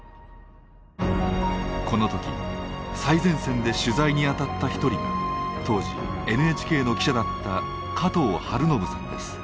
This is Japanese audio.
この時最前線で取材に当たった一人が当時ＮＨＫの記者だった加藤青延さんです。